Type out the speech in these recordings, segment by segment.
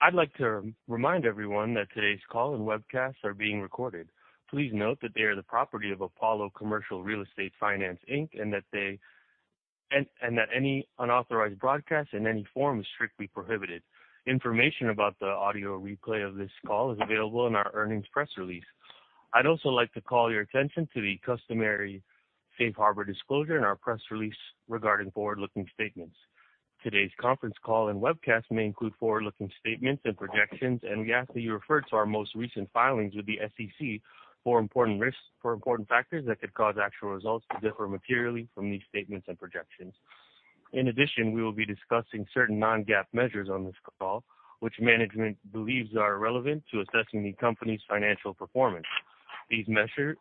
I'd like to remind everyone that today's call and webcast are being recorded. Please note that they are the property of Apollo Commercial Real Estate Finance, Inc., and that any unauthorized broadcast in any form is strictly prohibited. Information about the audio replay of this call is available in our earnings press release. I'd also like to call your attention to the customary safe harbor disclosure in our press release regarding forward-looking statements. Today's conference call and webcast may include forward-looking statements and projections, and we ask that you refer to our most recent filings with the SEC for important factors that could cause actual results to differ materially from these statements and projections. In addition, we will be discussing certain Non-GAAP measures on this call, which management believes are relevant to assessing the company's financial performance. These measures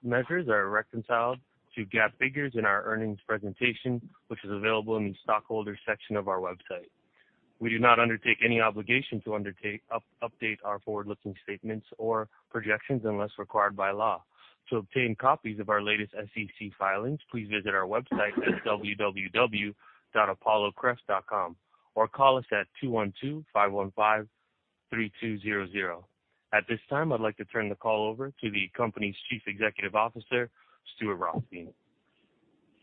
are reconciled to GAAP figures in our earnings presentation, which is available in the Stockholders section of our website. We do not undertake any obligation to update our forward-looking statements or projections unless required by law. To obtain copies of our latest SEC filings, please visit our website at www.apollocref.com or call us at 212-515-3200. At this time, I'd like to turn the call over to the company's Chief Executive Officer, Stuart Rothstein.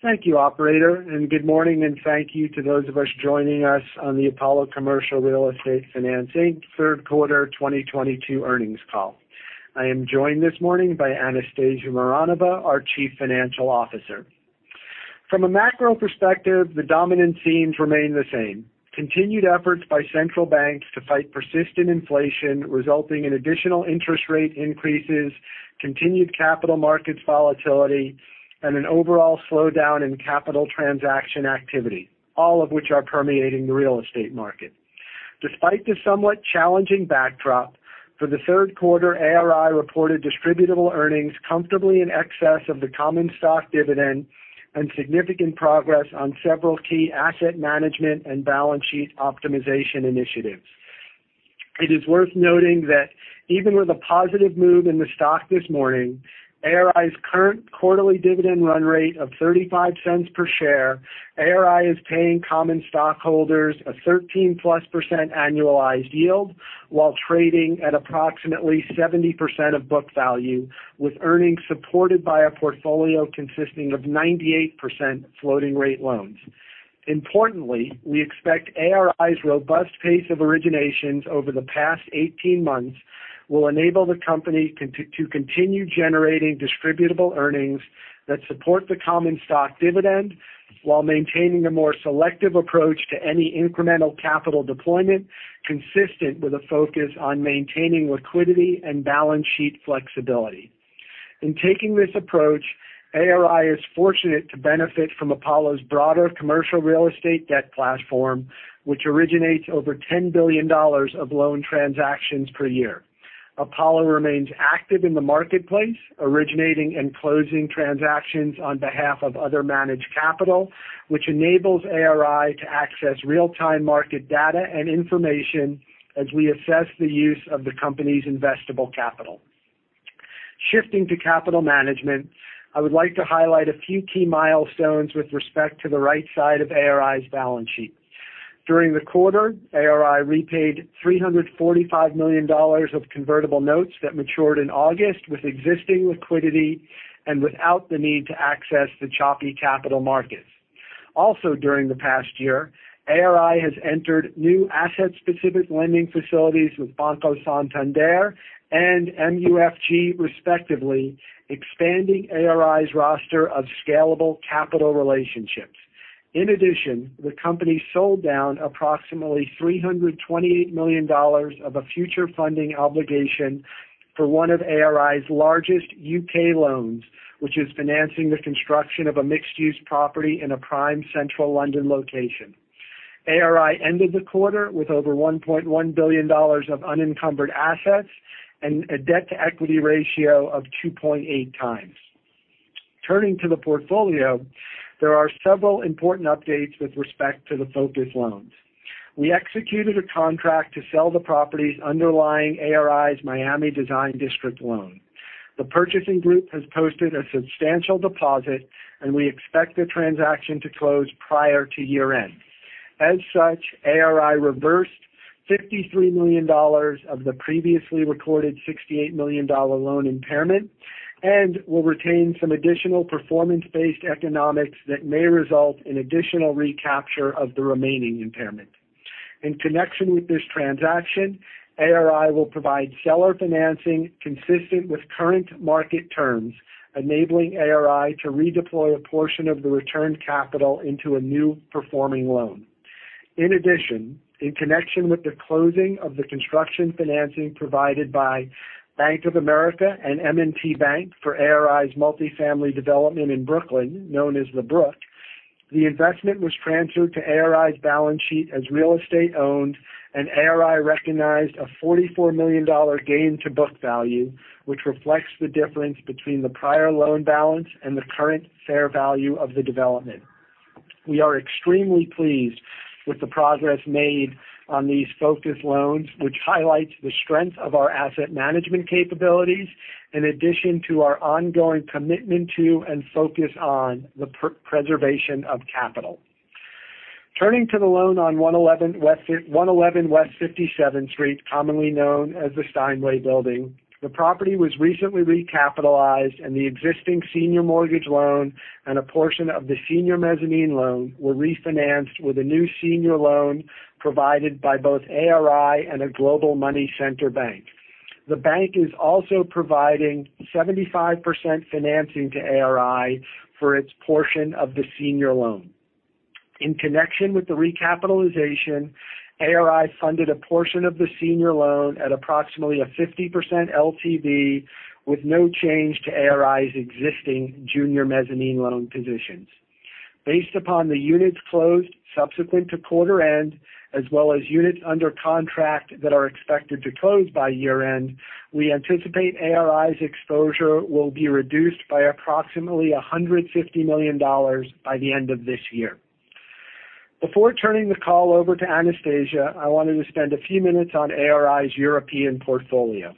Thank you, operator, and good morning and thank you to those of us joining us on the Apollo Commercial Real Estate Finance, Inc. third quarter 2022 earnings call. I am joined this morning by Anastasia Mironova, our Chief Financial Officer. From a macro perspective, the dominant themes remain the same. Continued efforts by central banks to fight persistent inflation resulting in additional interest rate increases, continued capital markets volatility, and an overall slowdown in capital transaction activity, all of which are permeating the real estate market. Despite the somewhat challenging backdrop, for the third quarter, ARI reported distributable earnings comfortably in excess of the common stock dividend and significant progress on several key asset management and balance sheet optimization initiatives. It is worth noting that even with a positive move in the stock this morning, ARI's current quarterly dividend run rate of $0.35 per share, ARI is paying common stockholders a 13%+ annualized yield while trading at approximately 70% of book value, with earnings supported by a portfolio consisting of 98% floating rate loans. Importantly, we expect ARI's robust pace of originations over the past 18 months will enable the company to continue generating distributable earnings that support the common stock dividend while maintaining a more selective approach to any incremental capital deployment consistent with a focus on maintaining liquidity and balance sheet flexibility. In taking this approach, ARI is fortunate to benefit from Apollo's broader commercial real estate debt platform, which originates over $10 billion of loan transactions per year. Apollo remains active in the marketplace, originating and closing transactions on behalf of other managed capital, which enables ARI to access real-time market data and information as we assess the use of the company's investable capital. Shifting to capital management, I would like to highlight a few key milestones with respect to the right side of ARI's balance sheet. During the quarter, ARI repaid $345 million of convertible notes that matured in August with existing liquidity and without the need to access the choppy capital markets. Also, during the past year, ARI has entered new asset-specific lending facilities with Banco Santander and MUFG, respectively, expanding ARI's roster of scalable capital relationships. In addition, the company sold down approximately $328 million of a future funding obligation for one of ARI's largest U.K. loans, which is financing the construction of a mixed-use property in a prime central London location. ARI ended the quarter with over $1.1 billion of unencumbered assets and a debt-to-equity ratio of 2.8x. Turning to the portfolio, there are several important updates with respect to the focus loans. We executed a contract to sell the properties underlying ARI's Miami Design District loan. The purchasing group has posted a substantial deposit, and we expect the transaction to close prior to year-end. As such, ARI reversed $53 million of the previously recorded $68 million loan impairment and will retain some additional performance-based economics that may result in additional recapture of the remaining impairment. In connection with this transaction, ARI will provide seller financing consistent with current market terms, enabling ARI to redeploy a portion of the returned capital into a new performing loan. In addition, in connection with the closing of the construction financing provided by Bank of America and M&T Bank for ARI's multifamily development in Brooklyn, known as The Brook, the investment was transferred to ARI's balance sheet as real estate owned, and ARI recognized a $44 million gain to book value, which reflects the difference between the prior loan balance and the current fair value of the development. We are extremely pleased with the progress made on these focus loans, which highlights the strength of our asset management capabilities in addition to our ongoing commitment to and focus on the preservation of capital. Turning to the loan on 111 West 57th Street, commonly known as the Steinway Building. The property was recently recapitalized and the existing senior mortgage loan and a portion of the senior mezzanine loan were refinanced with a new senior loan provided by both ARI and a global money center bank. The bank is also providing 75% financing to ARI for its portion of the senior loan. In connection with the recapitalization, ARI funded a portion of the senior loan at approximately a 50% LTV, with no change to ARI's existing junior mezzanine loan positions. Based upon the units closed subsequent to quarter end, as well as units under contract that are expected to close by year-end, we anticipate ARI's exposure will be reduced by approximately $150 million by the end of this year. Before turning the call over to Anastasia, I wanted to spend a few minutes on ARI's European portfolio.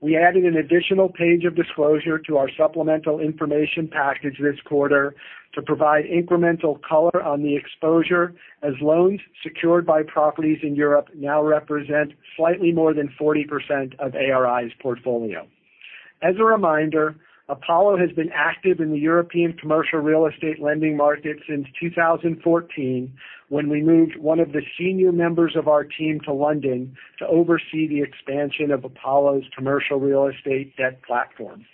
We added an additional page of disclosure to our supplemental information package this quarter to provide incremental color on the exposure as loans secured by properties in Europe now represent slightly more than 40% of ARI's portfolio. As a reminder, Apollo has been active in the European commercial real estate lending market since 2014, when we moved one of the senior members of our team to London to oversee the expansion of Apollo's commercial real estate debt platform.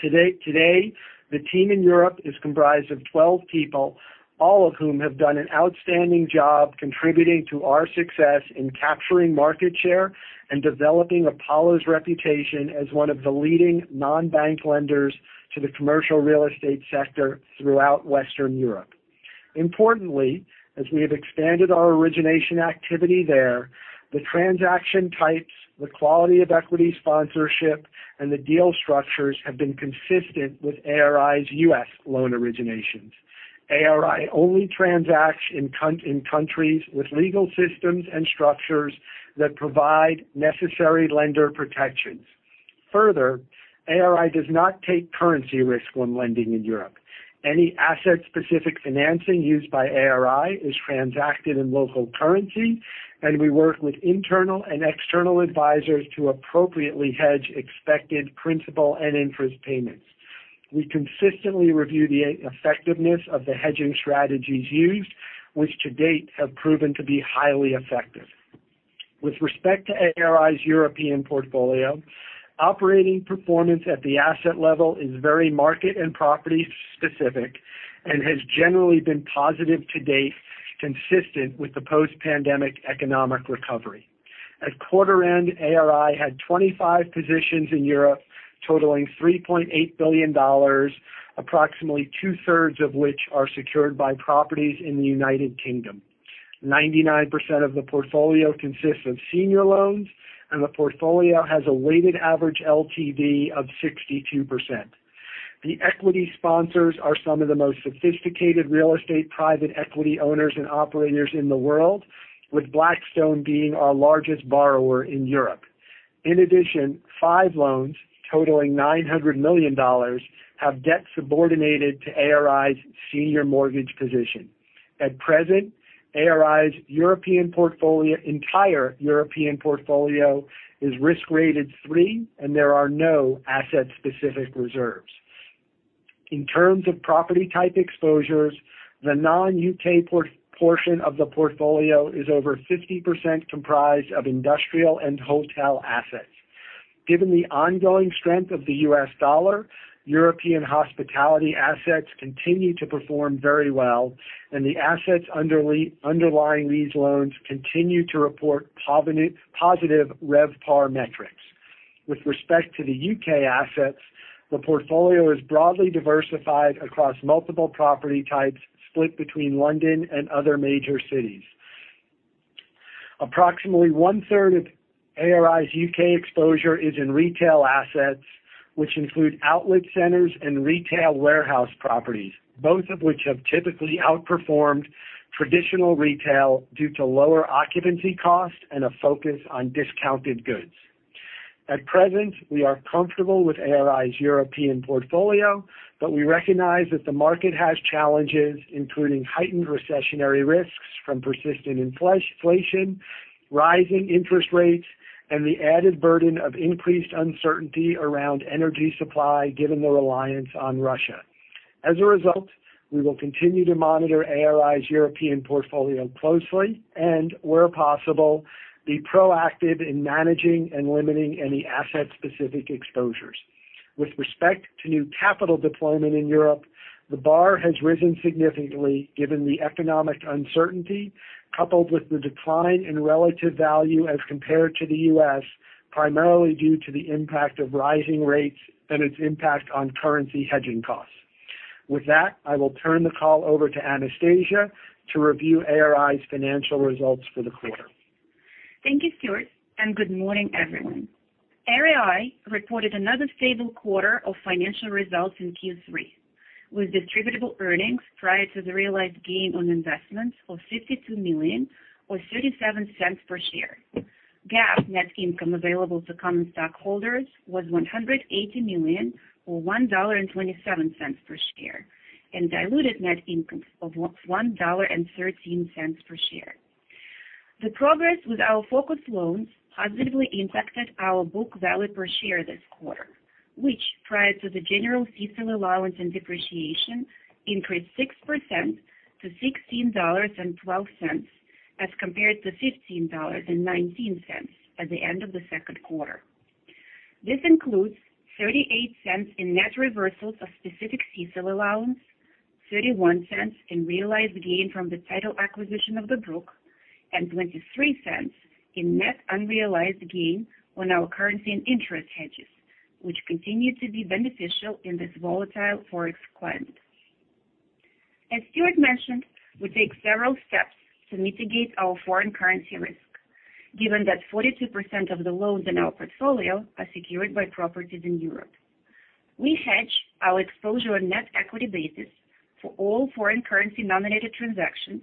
Today, the team in Europe is comprised of 12 people, all of whom have done an outstanding job contributing to our success in capturing market share and developing Apollo's reputation as one of the leading non-bank lenders to the commercial real estate sector throughout Western Europe. Importantly, as we have expanded our origination activity there, the transaction types, the quality of equity sponsorship, and the deal structures have been consistent with ARI's U.S. loan originations. ARI only transacts in countries with legal systems and structures that provide necessary lender protections. Further, ARI does not take currency risk when lending in Europe. Any asset-specific financing used by ARI is transacted in local currency, and we work with internal and external advisors to appropriately hedge expected principal and interest payments. We consistently review the effectiveness of the hedging strategies used, which to date have proven to be highly effective. With respect to ARI's European portfolio, operating performance at the asset level is very market and property specific and has generally been positive to date, consistent with the post-pandemic economic recovery. At quarter end, ARI had 25 positions in Europe totaling $3.8 billion, approximately 2/3 of which are secured by properties in the United Kingdom. 99% of the portfolio consists of senior loans, and the portfolio has a weighted average LTV of 62%. The equity sponsors are some of the most sophisticated real estate private equity owners and operators in the world, with Blackstone being our largest borrower in Europe. In addition, five loans totaling $900 million have debt subordinated to ARI's senior mortgage position. At present, ARI's European portfolio is risk-rated three, and there are no asset-specific reserves. In terms of property type exposures, the non-U.K. portion of the portfolio is over 50% comprised of industrial and hotel assets. Given the ongoing strength of the U.S. dollar, European hospitality assets continue to perform very well, and the assets underlying these loans continue to report positive RevPAR metrics. With respect to the U.K. assets, the portfolio is broadly diversified across multiple property types, split between London and other major cities. Approximately 1/3 of ARI's UK exposure is in retail assets, which include outlet centers and retail warehouse properties, both of which have typically outperformed traditional retail due to lower occupancy costs and a focus on discounted goods. At present, we are comfortable with ARI's European portfolio, but we recognize that the market has challenges, including heightened recessionary risks from persistent inflation, rising interest rates, and the added burden of increased uncertainty around energy supply given the reliance on Russia. As a result, we will continue to monitor ARI's European portfolio closely and, where possible, be proactive in managing and limiting any asset-specific exposures. With respect to new capital deployment in Europe, the bar has risen significantly given the economic uncertainty, coupled with the decline in relative value as compared to the U.S., primarily due to the impact of rising rates and its impact on currency hedging costs. With that, I will turn the call over to Anastasia to review ARI's financial results for the quarter. Thank you, Stuart, and good morning, everyone. ARI reported another stable quarter of financial results in Q3 with distributable earnings prior to the realized gain on investments of $52 million or $0.37 per share. GAAP net income available to common stockholders was $180 million or $1.27 per share, and diluted net income of $1.13 per share. The progress with our focus loans positively impacted our book value per share this quarter, which prior to the general CECL allowance and depreciation increased 6% to $16.12 as compared to $15.19 at the end of the second quarter. This includes $0.38 in net reversals of specific CECL allowance, $0.31 in realized gain from the title acquisition of The Brook, and $0.23 in net unrealized gain on our currency and interest hedges, which continue to be beneficial in this volatile Forex climate. As Stuart mentioned, we take several steps to mitigate our foreign currency risk. Given that 42% of the loans in our portfolio are secured by properties in Europe, we hedge our exposure on net equity basis for all foreign currency denominated transactions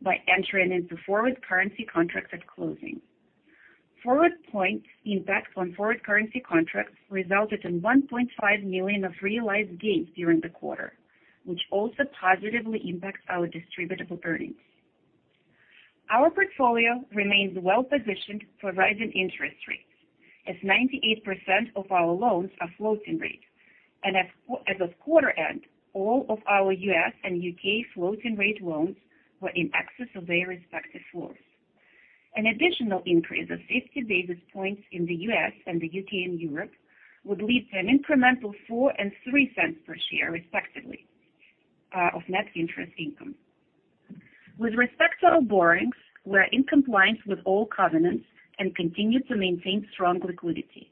by entering into forward currency contracts at closing. Forward points impact on forward currency contracts resulted in $1.5 million of realized gains during the quarter, which also positively impacts our distributable earnings. Our portfolio remains well positioned for rising interest rates as 98% of our loans are floating rate and at the quarter end, all of our U.S. and U.K. floating rate loans were in excess of their respective floors. An additional increase of 50 basis points in the U.S. and the U.K. and Europe would lead to an incremental $0.04 and $0.03 per share respectively of net interest income. With respect to our borrowings, we're in compliance with all covenants and continue to maintain strong liquidity.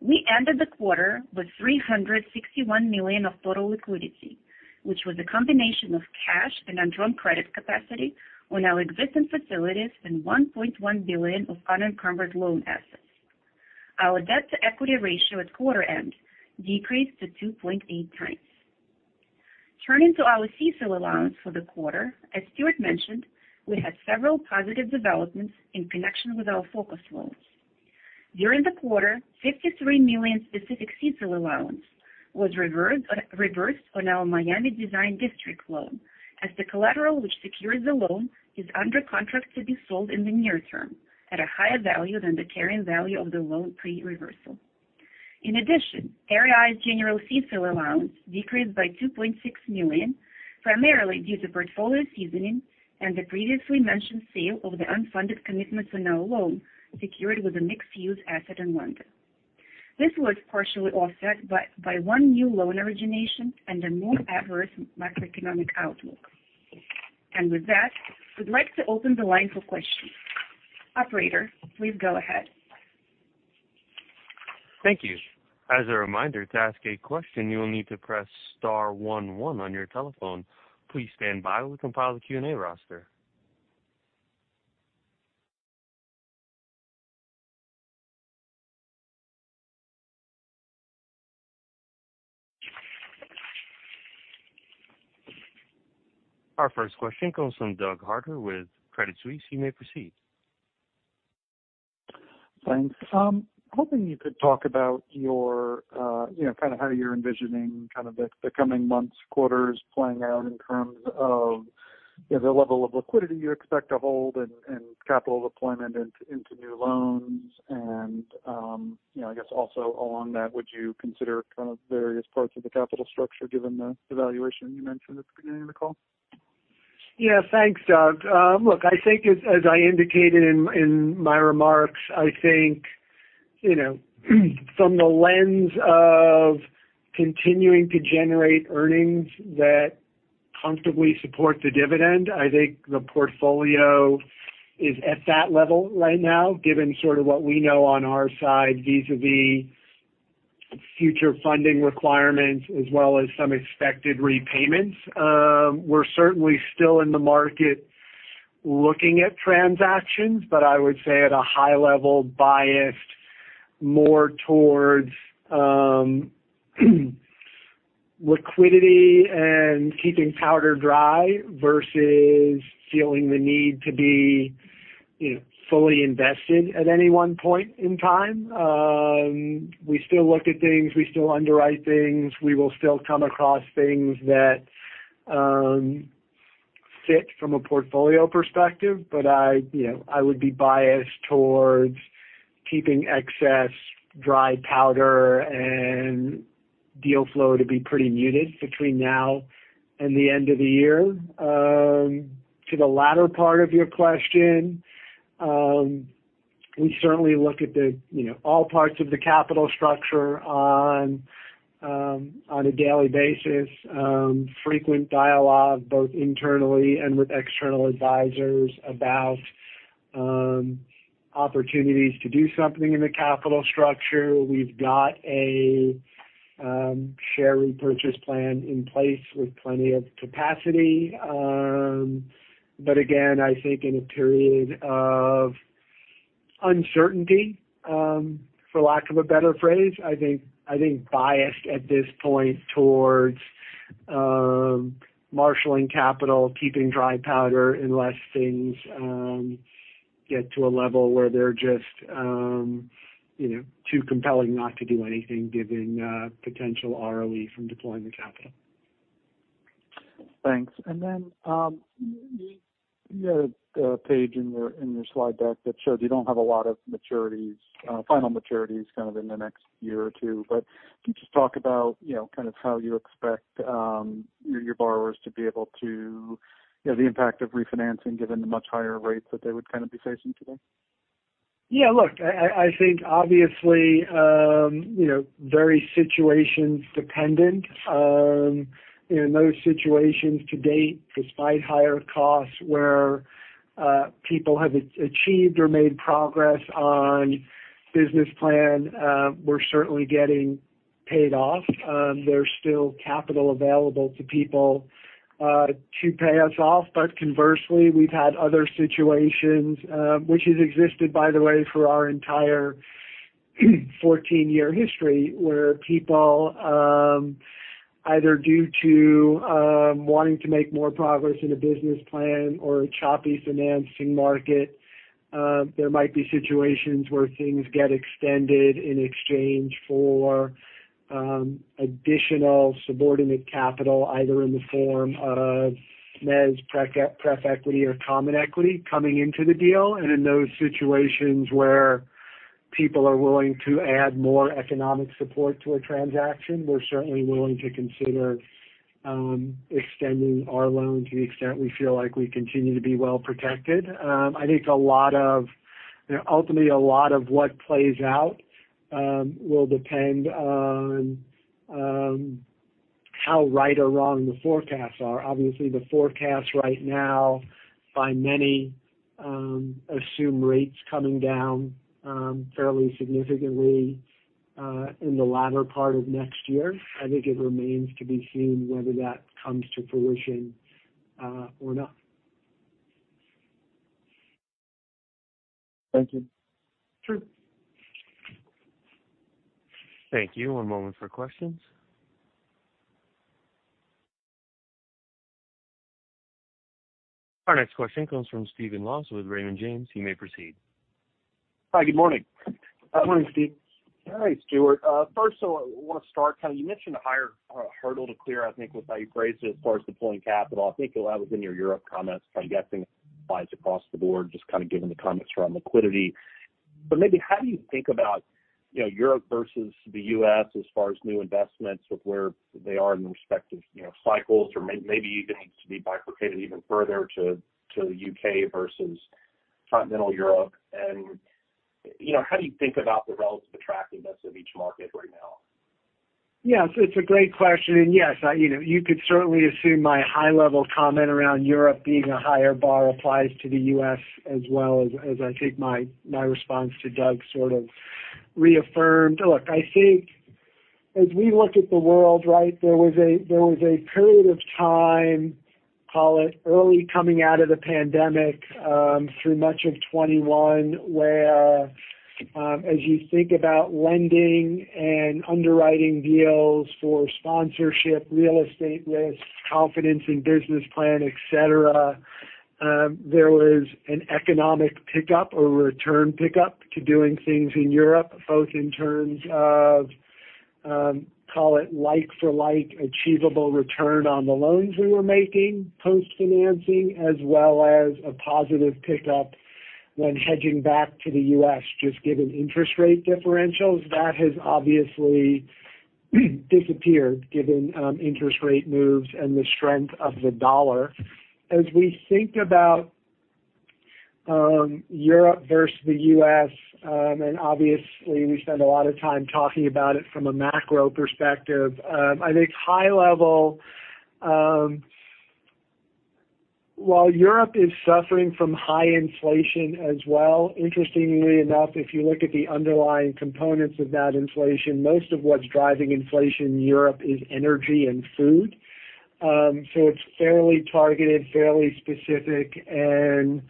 We ended the quarter with $361 million of total liquidity, which was a combination of cash and undrawn credit capacity on our existing facilities and $1.1 billion of unencumbered loan assets. Our debt to equity ratio at quarter end decreased to 2.8x. Turning to our CECL allowance for the quarter, as Stuart mentioned, we had several positive developments in connection with our focus loans. During the quarter, $53 million specific CECL allowance was reversed on our Miami Design District loan as the collateral which secures the loan is under contract to be sold in the near term at a higher value than the carrying value of the loan pre-reversal. In addition, [inaudible] general CECL allowance decreased by $2.6 million, primarily due to portfolio seasoning and the previously mentioned sale of the unfunded commitments on our loan secured with a mixed-use asset in London. This was partially offset by one new loan origination and a more adverse macroeconomic outlook. With that, we'd like to open the line for questions. Operator, please go ahead. Thank you. As a reminder, to ask a question, you will need to press star one one on your telephone. Please stand by while we compile the Q&A roster. Our first question comes from Doug Harter with Credit Suisse. You may proceed. Thanks. Hoping you could talk about your, you know, kind of how you're envisioning kind of the coming months, quarters playing out in terms of, you know, the level of liquidity you expect to hold and capital deployment into new loans. You know, I guess also along that, would you consider kind of various parts of the capital structure given the valuation you mentioned at the beginning of the call? Yeah. Thanks, Doug. Look, I think as I indicated in my remarks, I think, you know, from the lens of continuing to generate earnings that comfortably support the dividend, I think the portfolio is at that level right now, given sort of what we know on our side vis-à-vis future funding requirements as well as some expected repayments. We're certainly still in the market looking at transactions, but I would say at a high level biased more towards liquidity and keeping powder dry versus feeling the need to be, you know, fully invested at any one point in time. We still look at things. We still underwrite things. We will still come across things that fit from a portfolio perspective. I, you know, I would be biased toward keeping excess dry powder and deal flow to be pretty muted between now and the end of the year. To the latter part of your question, we certainly look at the, you know, all parts of the capital structure on a daily basis, frequent dialogue both internally and with external advisors about opportunities to do something in the capital structure. We've got a share repurchase plan in place with plenty of capacity. Again, I think in a period of uncertainty, for lack of a better phrase, I think biased at this point toward marshaling capital, keeping dry powder unless things get to a level where they're just, you know, too compelling not to do anything given potential ROE from deploying the capital. Thanks. The page in your slide deck that shows you don't have a lot of maturities, final maturities kind of in the next year or two, but can you just talk about, you know, kind of how you expect your borrowers to be able to, you know, the impact of refinancing given the much higher rates that they would kind of be facing today? Yeah. Look, I think obviously, you know, very situation dependent. In those situations to date, despite higher costs where people have achieved or made progress on business plan, we're certainly getting paid off. There's still capital available to people to pay us off. Conversely, we've had other situations, which have existed, by the way, for our entire 14-year history, where people either due to wanting to make more progress in a business plan or a choppy financing market, there might be situations where things get extended in exchange for additional subordinate capital, either in the form of mezz pref equity or common equity coming into the deal. In those situations where people are willing to add more economic support to a transaction, we're certainly willing to consider extending our loan to the extent we feel like we continue to be well protected. Ultimately, a lot of what plays out will depend on how right or wrong the forecasts are. Obviously, the forecasts right now by many assume rates coming down fairly significantly in the latter part of next year. I think it remains to be seen whether that comes to fruition or not. Thank you. Sure. Thank you. One moment for questions. Our next question comes from Steve Moss with Raymond James. You may proceed. Hi. Good morning. Good morning, Steve. Hi, Stuart. First, so I want to start, kind of you mentioned a higher hurdle to clear, I think, was how you phrased it as far as deploying capital. I think that was in your Europe comments. I'm guessing it applies across the board, just kind of given the comments around liquidity. Maybe how do you think about, you know, Europe versus the U.S. as far as new investments with where they are in respective, you know, cycles or maybe even needs to be bifurcated even further to the U.K. versus continental Europe. You know, how do you think about the relative attractiveness of each market right now? Yeah. It's a great question. Yes, I, you know, you could certainly assume my high-level comment around Europe being a higher bar applies to the U.S. as well, as I think my response to Doug sort of reaffirmed. Look, I think as we look at the world, right, there was a period of time, call it early coming out of the pandemic, through much of 2021, where, as you think about lending and underwriting deals for sponsorship, real estate risks, confidence in business plan, et cetera, there was an economic pickup or return pickup to doing things in Europe, both in terms of, call it like-for-like achievable return on the loans we were making post-financing, as well as a positive pickup when hedging back to the U.S., just given interest rate differentials. That has obviously disappeared given interest rate moves and the strength of the dollar. As we think about Europe versus the U.S., and obviously we spend a lot of time talking about it from a macro perspective, I think high level, while Europe is suffering from high inflation as well, interestingly enough, if you look at the underlying components of that inflation, most of what's driving inflation in Europe is energy and food. It's fairly targeted, fairly specific, and,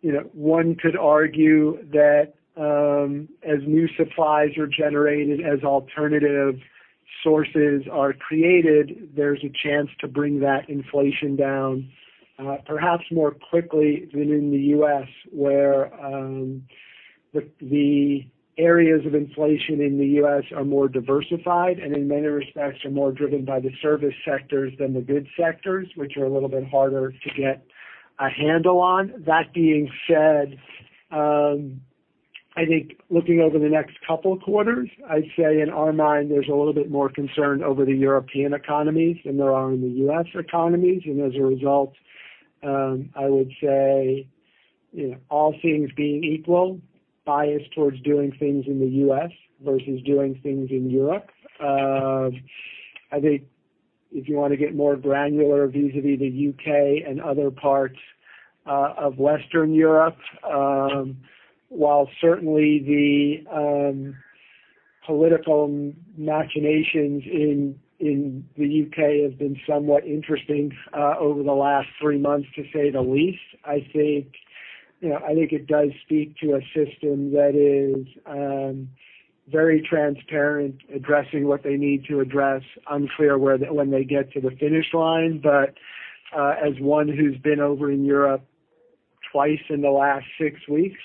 you know, one could argue that, as new supplies are generated, as alternative sources are created, there's a chance to bring that inflation down, perhaps more quickly than in the U.S., where the areas of inflation in the U.S. are more diversified and in many respects are more driven by the service sectors than the goods sectors, which are a little bit harder to get a handle on. That being said, I think looking over the next couple quarters, I'd say in our mind, there's a little bit more concern over the European economies than there are in the U.S. economies. As a result, I would say, you know, all things being equal, biased towards doing things in the U.S. versus doing things in Europe. I think if you want to get more granular vis-à-vis the U.K. and other parts of Western Europe, while certainly the political machinations in the U.K. have been somewhat interesting over the last three months to say the least. You know, I think it does speak to a system that is very transparent, addressing what they need to address, unclear when they get to the finish line. As one who's been over in Europe twice in the last six weeks,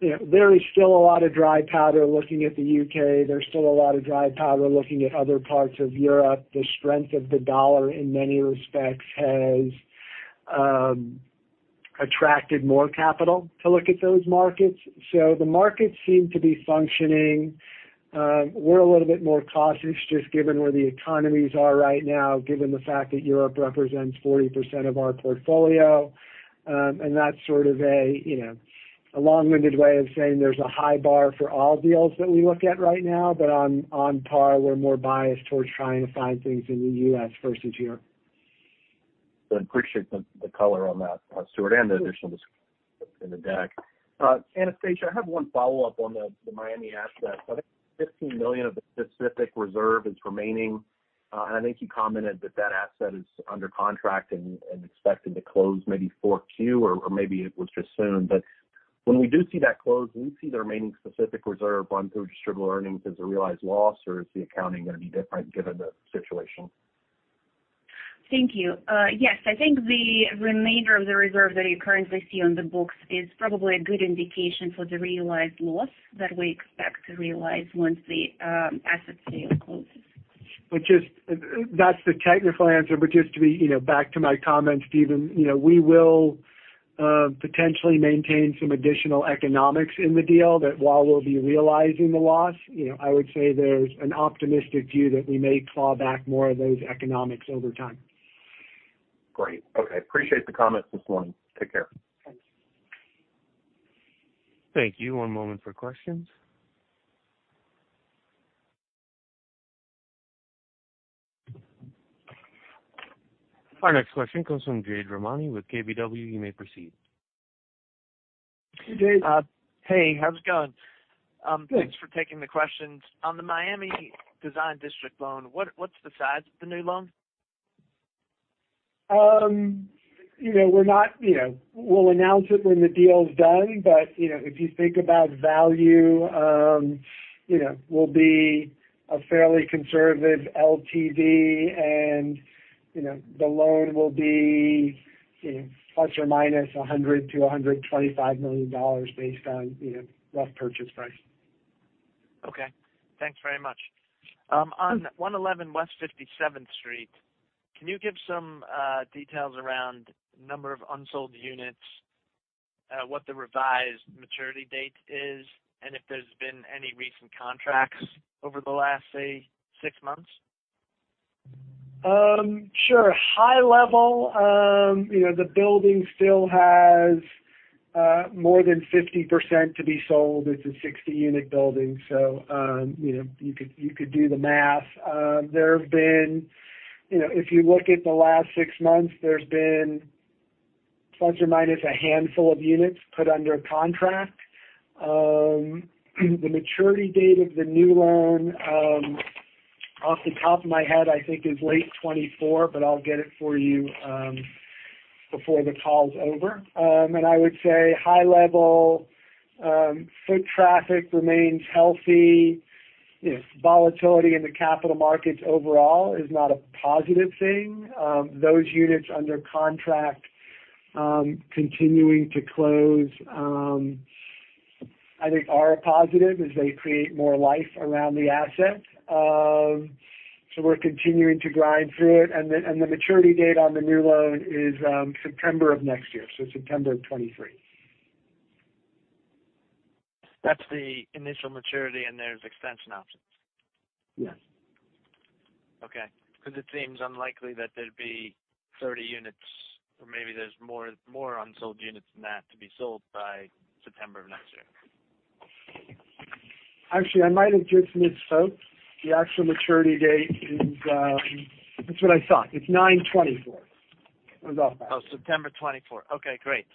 you know, there is still a lot of dry powder looking at the U.K. There's still a lot of dry powder looking at other parts of Europe. The strength of the dollar in many respects has attracted more capital to look at those markets. The markets seem to be functioning. We're a little bit more cautious just given where the economies are right now, given the fact that Europe represents 40% of our portfolio. That's sort of a, you know, a long-winded way of saying there's a high bar for all deals that we look at right now. On par, we're more biased towards trying to find things in the U.S. versus Europe. I appreciate the color on that, Stuart, and the additional in the deck. Anastasia, I have one follow-up on the Miami asset. I think $15 million of the specific reserve is remaining. I think you commented that that asset is under contract and expected to close maybe Q4 or maybe it was just soon. When we do see that close, do we see the remaining specific reserve run through distributable earnings as a realized loss, or is the accounting gonna be different given the situation? Thank you. Yes. I think the remainder of the reserve that you currently see on the books is probably a good indication for the realized loss that we expect to realize once the asset sale closes. That's the technical answer. Just to be, you know, back to my comment, Steve, you know, we will potentially maintain some additional economics in the deal that while we'll be realizing the loss, you know, I would say there's an optimistic view that we may claw back more of those economics over time. Great. Okay. Appreciate the comments this morning. Take care. Thanks. Thank you. One moment for questions. Our next question comes from Jade Rahmani with KBW. You may proceed. Hey, Jade. Hey, how's it going? Good. Thanks for taking the questions. On the Miami Design District loan, what's the size of the new loan? You know, we'll announce it when the deal's done. You know, if you think about value, you know, we'll be a fairly conservative LTV, and, you know, the loan will be $100 million-$125 million based on, you know, rough purchase price. Okay. Thanks very much. On 111 West 57th Street, can you give some details around number of unsold units, what the revised maturity date is, and if there's been any recent contracts over the last, say, six months? Sure. High level, you know, the building still has more than 50% to be sold. It's a 60-unit building, so you know, you could do the math. There have been, you know, if you look at the last six months, there's been plus or minus a handful of units put under contract. The maturity date of the new loan, off the top of my head, I think is late 2024, but I'll get it for you before the call's over. I would say high level, foot traffic remains healthy. You know, volatility in the capital markets overall is not a positive thing. Those units under contract continuing to close I think are a positive as they create more life around the asset. We're continuing to grind through it. The maturity date on the new loan is September of next year, so September of 2023. That's the initial maturity, and there's extension options? Yes. Okay. Because it seems unlikely that there'd be 30 units or maybe there's more unsold units than that to be sold by September of next year. Actually, I might have just misspoke. The actual maturity date is. That's what I thought. It's 9/2024. I was off by a month. Oh, September 2024. Okay, great.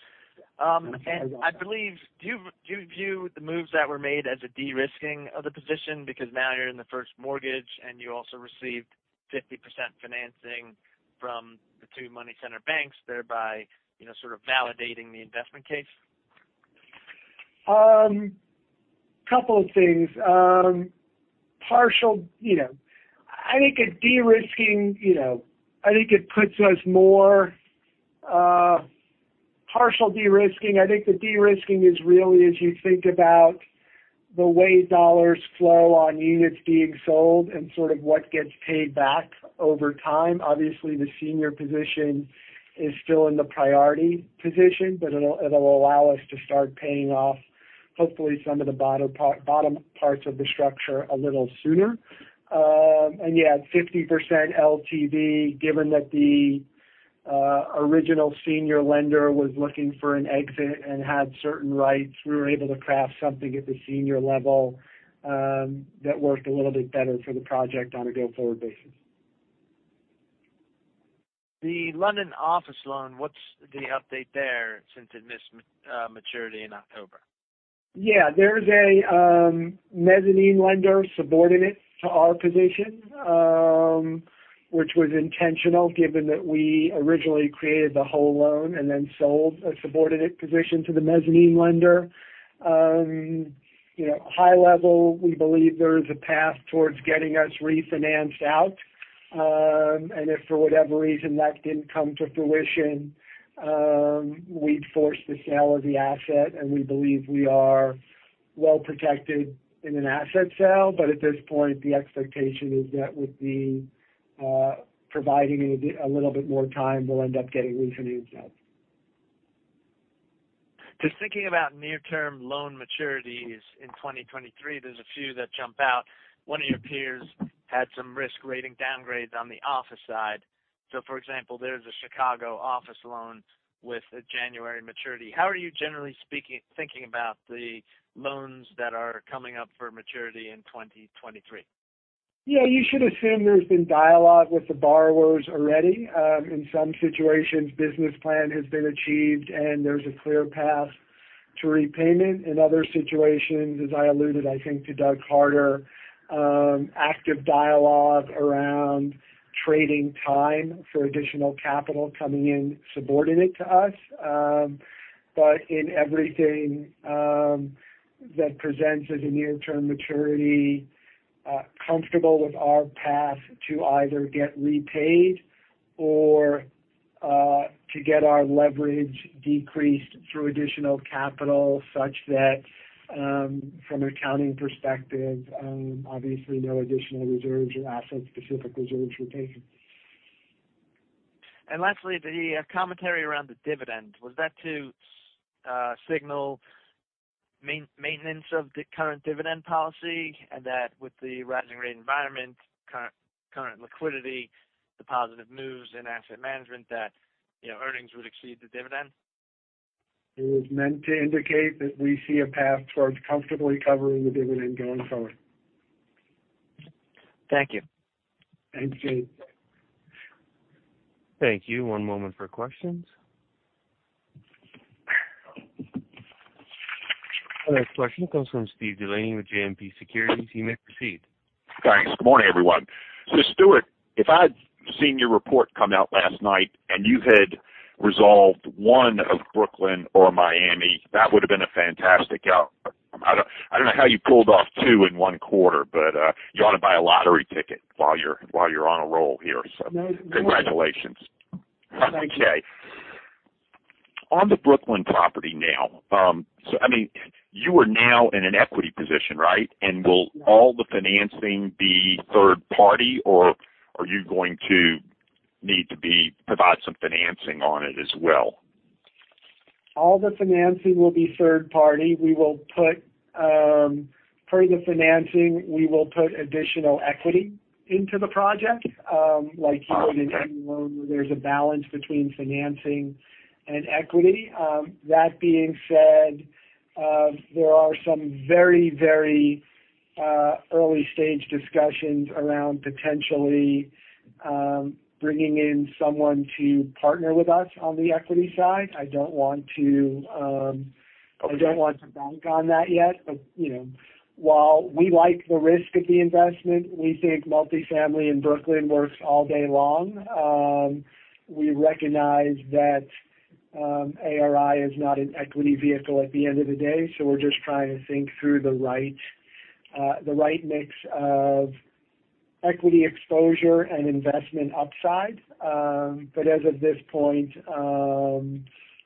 I believe, do you view the moves that were made as a de-risking of the position because now you're in the first mortgage, and you also received 50% financing from the two money center banks, thereby, you know, sort of validating the investment case? Couple of things. You know, I think a de-risking, you know, I think it puts us more partial de-risking. I think the de-risking is really as you think about the way dollars flow on units being sold and sort of what gets paid back over time. Obviously, the senior position is still in the priority position, but it'll allow us to start paying off hopefully some of the bottom part, bottom parts of the structure a little sooner. Yeah, 50% LTV, given that the original senior lender was looking for an exit and had certain rights, we were able to craft something at the senior level that worked a little bit better for the project on a go-forward basis. The London office loan, what's the update there since it missed maturity in October? Yeah, there's a mezzanine lender subordinate to our position, which was intentional given that we originally created the whole loan and then sold a subordinate position to the mezzanine lender. You know, high level, we believe there is a path towards getting us refinanced out. If for whatever reason that didn't come to fruition, we'd force the sale of the asset, and we believe we are well protected in an asset sale. At this point, the expectation is that with providing a little bit more time, we'll end up getting refinanced out. Just thinking about near-term loan maturities in 2023, there's a few that jump out. One of your peers had some risk rating downgrades on the office side. For example, there's a Chicago office loan with a January maturity. How are you generally speaking, thinking about the loans that are coming up for maturity in 2023? Yeah, you should assume there's been dialogue with the borrowers already. In some situations, business plan has been achieved, and there's a clear path to repayment. In other situations, as I alluded, I think to Doug Harter, active dialogue around trading time for additional capital coming in subordinate to us. In everything that presents as a near-term maturity, comfortable with our path to either get repaid or to get our leverage decreased through additional capital such that from an accounting perspective, obviously no additional reserves or asset-specific reserves were taken. Lastly, the commentary around the dividend. Was that to signal maintenance of the current dividend policy and that with the rising rate environment, current liquidity, the positive moves in asset management that, you know, earnings would exceed the dividend? It was meant to indicate that we see a path towards comfortably covering the dividend going forward. Thank you. Thanks, Jade. Thank you. One moment for questions. Next question comes from Steve DeLaney with JMP Securities. You may proceed. Thanks. Good morning, everyone. Stuart, if I'd seen your report come out last night and you had resolved one of Brooklyn or Miami, that would have been a fantastic out. I don't know how you pulled off two in one quarter, but you ought to buy a lottery ticket while you're on a roll here. Congratulations. Thank you. Okay. On the Brooklyn property now, so I mean, you are now in an equity position, right? Will all the financing be third party, or are you going to need to provide some financing on it as well? All the financing will be third party. We will put per the financing additional equity into the project. Like you would in any loan where there's a balance between financing and equity. That being said, there are some very early-stage discussions around potentially bringing in someone to partner with us on the equity side. I don't want to bank on that yet. You know, while we like the risk of the investment, we think multifamily in Brooklyn works all day long. We recognize that ARI is not an equity vehicle at the end of the day, so we're just trying to think through the right mix of equity exposure and investment upside. As of this point,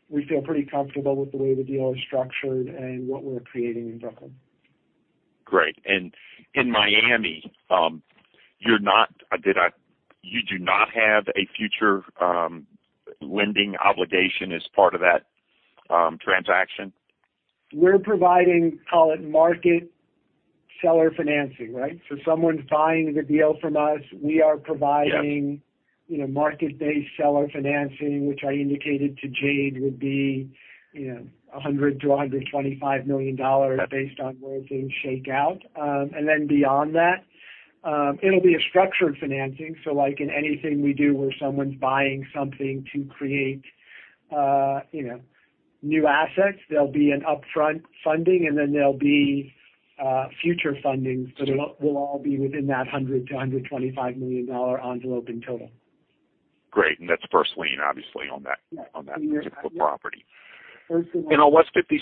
we feel pretty comfortable with the way the deal is structured and what we're creating in Brooklyn. Great. In Miami, you do not have a future lending obligation as part of that transaction? We're providing, call it market seller financing, right? Someone's buying the deal from us. Yeah. We are providing, you know, market-based seller financing, which I indicated to Jade would be, you know, $100 million-$125 million based on where things shake out. Beyond that, it'll be a structured financing. Like in anything we do where someone's buying something to create, you know, new assets, there'll be an upfront funding and then there'll be future fundings. Sure. It'll all be within that $100 million-$125 million envelope in total. Great. That's first lien, obviously, on that. Yeah. On that particular property. First and last. In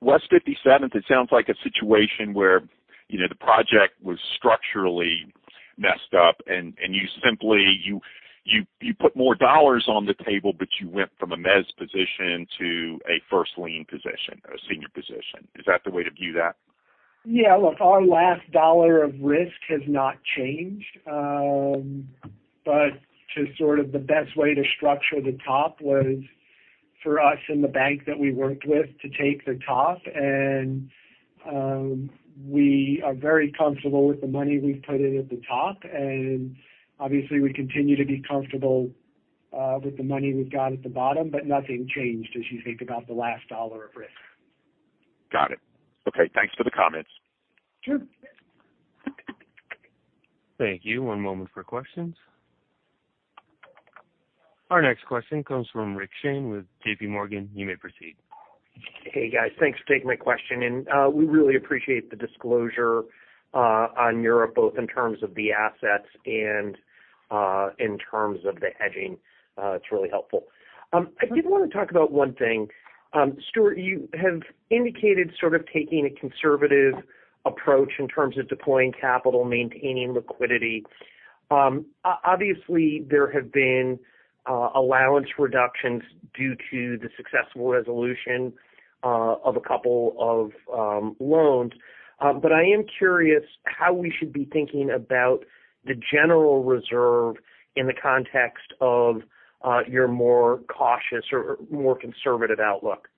West 57th, it sounds like a situation where, you know, the project was structurally messed up, and you simply put more dollars on the table, but you went from a mezz position to a first lien position, a senior position. Is that the way to view that? Yeah. Look, our last dollar of risk has not changed. Just sort of the best way to structure the top was for us and the bank that we worked with to take the top, and we are very comfortable with the money we've put in at the top. Obviously, we continue to be comfortable with the money we've got at the bottom, but nothing changed as you think about the last dollar of risk. Got it. Okay, thanks for the comments. Sure. Thank you. One moment for questions. Our next question comes from Rick Shane with JPMorgan. You may proceed. Hey, guys. Thanks for taking my question. We really appreciate the disclosure on Europe, both in terms of the assets and in terms of the hedging. It's really helpful. I did wanna talk about one thing. Stuart, you have indicated sort of taking a conservative approach in terms of deploying capital, maintaining liquidity. Obviously, there have been allowance reductions due to the successful resolution of a couple of loans. I am curious how we should be thinking about the general reserve in the context of your more cautious or more conservative outlook.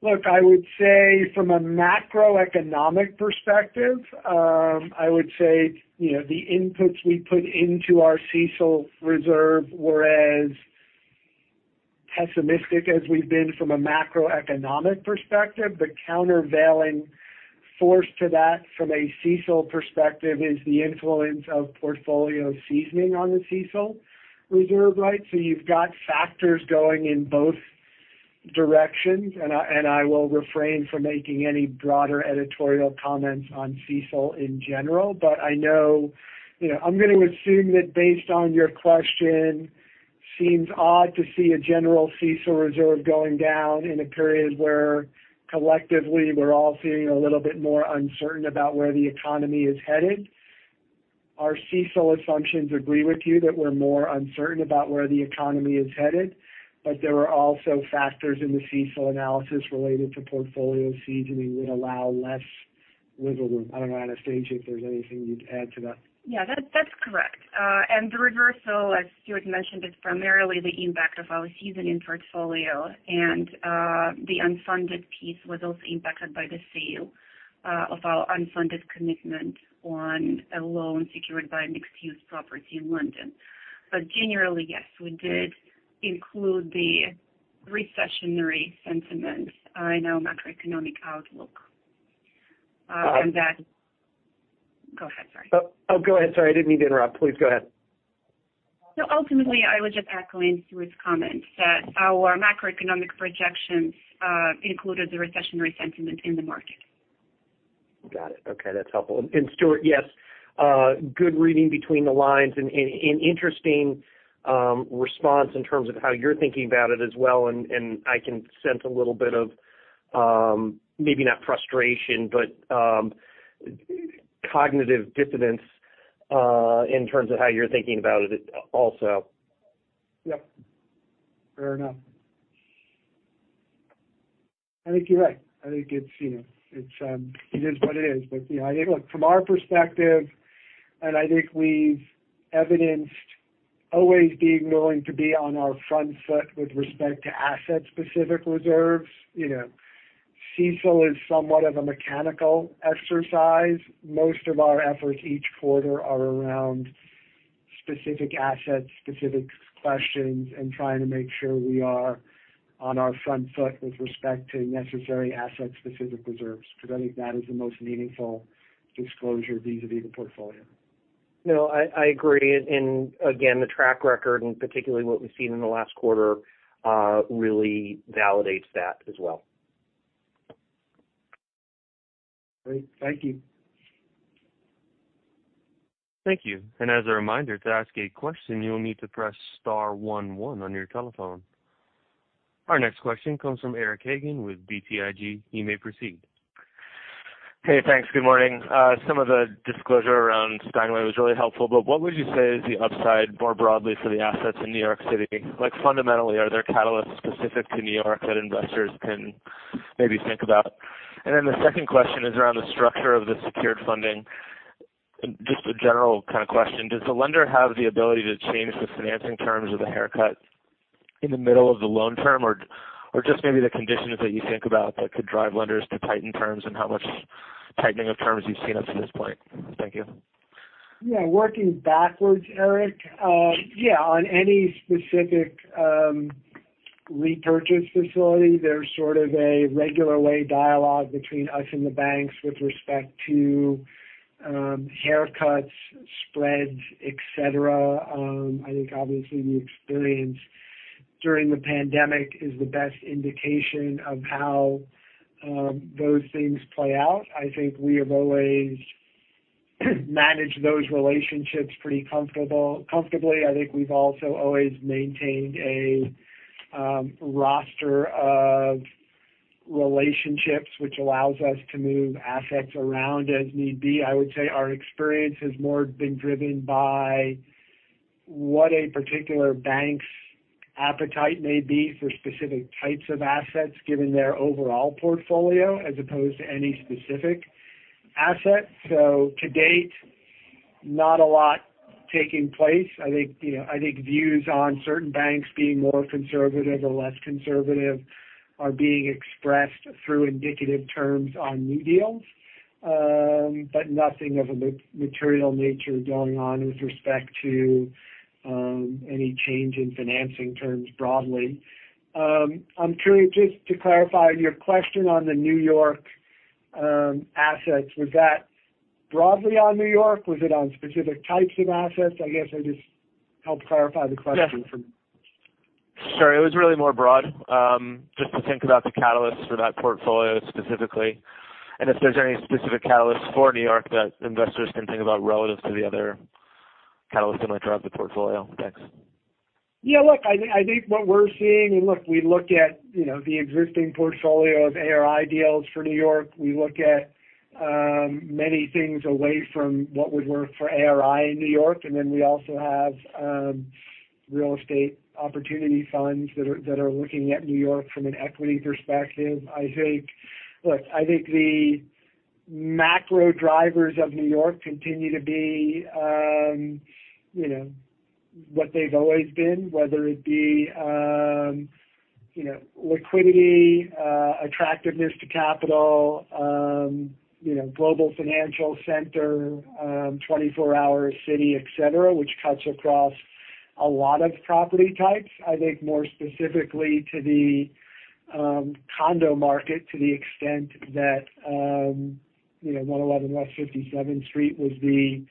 Look, I would say from a macroeconomic perspective, you know, the inputs we put into our CECL reserve were as pessimistic as we've been from a macroeconomic perspective. The countervailing force to that from a CECL perspective is the influence of portfolio seasoning on the CECL reserve. Right? So you've got factors going in both directions. I will refrain from making any broader editorial comments on CECL in general. But I know. You know, I'm gonna assume that based on your question, seems odd to see a general CECL reserve going down in a period where collectively we're all feeling a little bit more uncertain about where the economy is headed. Our CECL assumptions agree with you that we're more uncertain about where the economy is headed. There are also factors in the CECL analysis related to portfolio seasoning that allow less wiggle room. I don't know, Anastasia, if there's anything you'd add to that. Yeah, that's correct. The reversal, as Stuart mentioned, is primarily the impact of our seasoning portfolio. The unfunded piece was also impacted by the sale of our unfunded commitment on a loan secured by a mixed-use property in London. Generally, yes, we did include the recessionary sentiment in our macroeconomic outlook. Um Go ahead. Sorry. Oh, go ahead, sorry. I didn't mean to interrupt. Please go ahead. Ultimately, I was just echoing Stuart's comments that our macroeconomic projections included the recessionary sentiment in the market. Got it. Okay, that's helpful. Stuart, yes, good reading between the lines and interesting response in terms of how you're thinking about it as well. I can sense a little bit of maybe not frustration, but cognitive dissonance in terms of how you're thinking about it also. Yep. Fair enough. I think you're right. I think it's, you know, it's, it is what it is. You know, look, from our perspective, and I think we've evidenced always being willing to be on our front foot with respect to asset-specific reserves. You know, CECL is somewhat of a mechanical exercise. Most of our efforts each quarter are around specific assets, specific questions, and trying to make sure we are on our front foot with respect to necessary asset-specific reserves, because I think that is the most meaningful disclosure vis-à-vis the portfolio. No, I agree. Again, the track record, and particularly what we've seen in the last quarter, really validates that as well. Great. Thank you. Thank you. As a reminder, to ask a question, you'll need to press star one one on your telephone. Our next question comes from Eric Hagen with BTIG. You may proceed. Hey, thanks. Good morning. Some of the disclosure around Steinway was really helpful, but what would you say is the upside more broadly for the assets in New York City? Like, fundamentally, are there catalysts specific to New York that investors can maybe think about? And then the second question is around the structure of the secured funding. Just a general kind of question. Does the lender have the ability to change the financing terms of the haircut in the middle of the loan term? Or just maybe the conditions that you think about that could drive lenders to tighten terms and how much tightening of terms you've seen up to this point? Thank you. Yeah. Working backwards, Eric. Yeah, on any specific repurchase facility, there's sort of a regular way dialogue between us and the banks with respect to haircuts, spreads, et cetera. I think obviously the experience during the pandemic is the best indication of how those things play out. I think we have always managed those relationships pretty comfortable, comfortably. I think we've also always maintained a roster of relationships which allows us to move assets around as need be. I would say our experience has more been driven by what a particular bank's appetite may be for specific types of assets given their overall portfolio as opposed to any specific asset. To date, not a lot taking place. I think, you know, I think views on certain banks being more conservative or less conservative are being expressed through indicative terms on new deals. Nothing of a material nature going on with respect to any change in financing terms broadly. I'm curious just to clarify your question on the New York assets. Was that broadly on New York? Was it on specific types of assets? I guess I just help clarify the question for me. Sorry, it was really more broad. Just to think about the catalysts for that portfolio specifically, and if there's any specific catalysts for New York that investors can think about relative to the other catalysts that might drive the portfolio. Thanks. Look, I think what we're seeing. Look, we look at, you know, the existing portfolio of ARI deals for New York. We look at many things away from what would work for ARI in New York. Then we also have real estate opportunity funds that are looking at New York from an equity perspective. I think. Look, I think the macro drivers of New York continue to be, you know, what they've always been, whether it be, you know, liquidity, attractiveness to capital, you know, global financial center, 24-hour city, et cetera, which cuts across a lot of property types. I think more specifically to the condo market, to the extent that, you know, 111 West 57th Street was the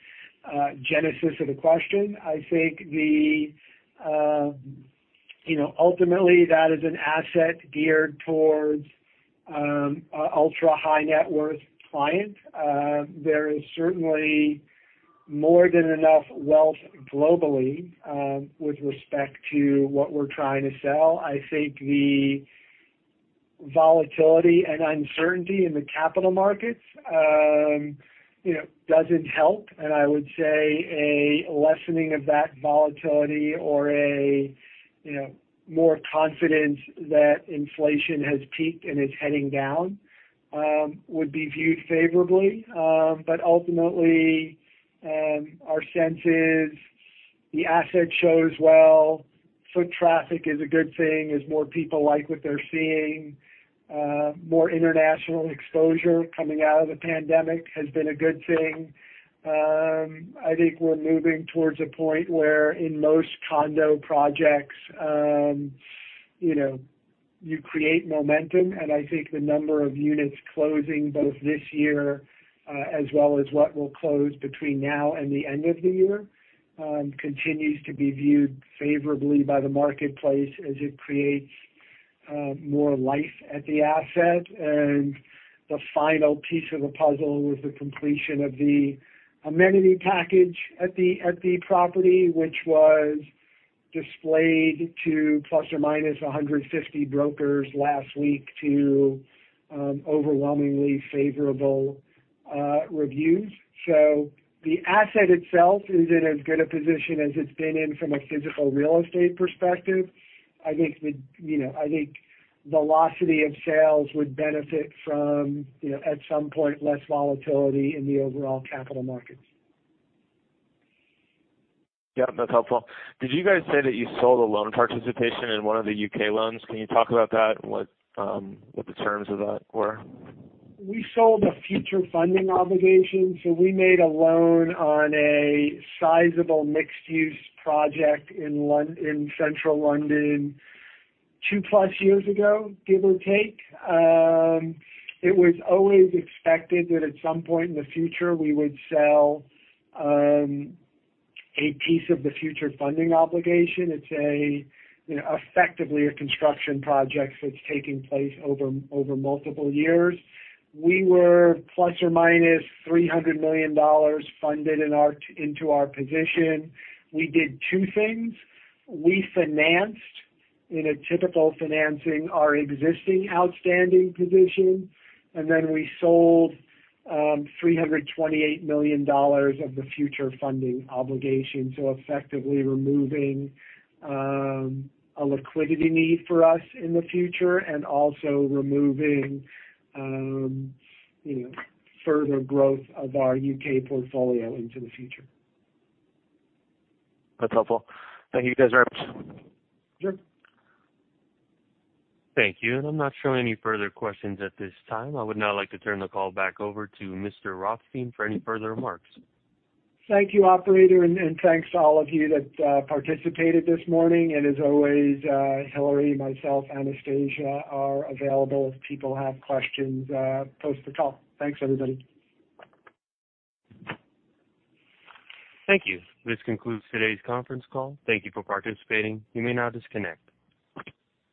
genesis of the question. I think the You know, ultimately, that is an asset geared towards an ultra-high net worth client. There is certainly more than enough wealth globally with respect to what we're trying to sell. I think the volatility and uncertainty in the capital markets, you know, doesn't help. I would say a lessening of that volatility or a, you know, more confidence that inflation has peaked and is heading down would be viewed favorably. But ultimately, our sense is the asset shows well. Foot traffic is a good thing as more people like what they're seeing. More international exposure coming out of the pandemic has been a good thing. I think we're moving towards a point where in most condo projects, you know, you create momentum. I think the number of units closing both this year, as well as what will close between now and the end of the year, continues to be viewed favorably by the marketplace as it creates more life at the asset. The final piece of the puzzle was the completion of the amenity package at the property, which was displayed to ±150 brokers last week to overwhelmingly favorable reviews. The asset itself is in as good a position as it's been in from a physical real estate perspective. You know, I think velocity of sales would benefit from, you know, at some point, less volatility in the overall capital markets. Yeah, that's helpful. Did you guys say that you sold a loan participation in one of the U.K. loans? Can you talk about that and what the terms of that were? We sold a future funding obligation. We made a loan on a sizable mixed-use project in central London two plus years ago, give or take. It was always expected that at some point in the future we would sell a piece of the future funding obligation. It's a, you know, effectively a construction project that's taking place over multiple years. We were ±$300 million funded into our position. We did two things. We financed in a typical financing our existing outstanding position, and then we sold $328 million of the future funding obligation, so effectively removing a liquidity need for us in the future and also removing you know further growth of our U.K. portfolio into the future. That's helpful. Thank you guys very much. Sure. Thank you. I'm not showing any further questions at this time. I would now like to turn the call back over to Mr. Rothstein for any further remarks. Thank you, operator, and thanks to all of you that participated this morning. As always, Hillary, myself, Anastasia are available if people have questions post the call. Thanks, everybody. Thank you. This concludes today's conference call. Thank you for participating. You may now disconnect.